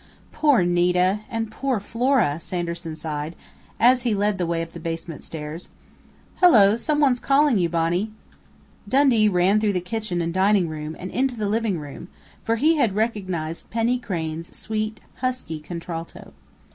"Poor Nita and poor Flora!" Sanderson sighed, as he led the way up the basement stairs. "Hello! Someone's calling you, Bonnie " Dundee ran through the kitchen and dining room and into the living room, for he had recognized Penny Crain's sweet, husky contralto.